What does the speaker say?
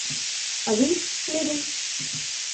А вы, Левин?